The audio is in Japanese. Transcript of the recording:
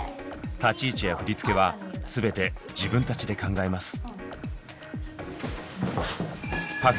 立ち位置や振り付けはすべて自分たちで考えます。